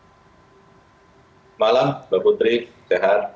selamat malam mbak putri sehat